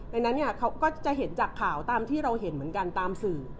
ดังนั้นเนี่ยเขาก็จะเห็นจากข่าวตามที่เราเห็นเหมือนกันตามสื่อ